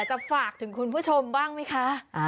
จะฝากถึงคุณผู้ชมบ้างไหมคะ